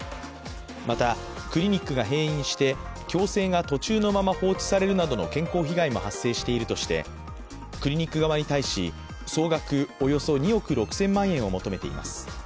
また、クリニックが閉院して矯正が途中のまま放置されるなどの健康被害も発生しているとしてクリニック側に対し総額およそ２億６０００万円を求めています。